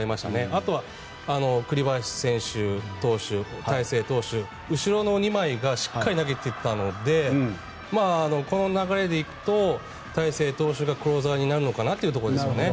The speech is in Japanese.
あとは栗林投手、大勢投手後ろの２枚がしっかり投げていたのでこの流れで行くと大勢投手がクローザーになるのかなというところですね。